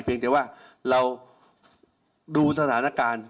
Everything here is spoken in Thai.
เพียงแต่ว่าเราดูสถานการณ์